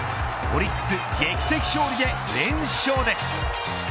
オリックス劇的勝利で連勝です。